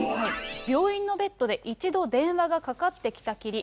病院のベッドで一度電話がかかってきたきり。